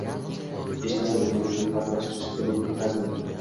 Hech narsa boʻlmagandek parvarish qilishda davom etardim